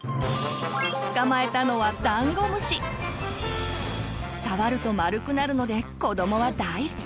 捕まえたのは触ると丸くなるので子どもは大好き！